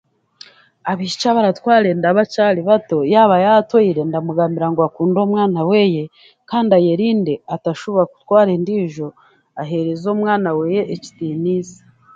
Abaishiki abaratwara enda bakyari bato yaba yaatwire ndamugambira ngu akunde omwana weeye, kandi ayerinde atashuba kutwara endiijo, ahereze omwana weeye ekitiniisa.